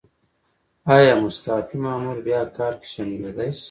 ایا مستعفي مامور بیا کار کې شاملیدای شي؟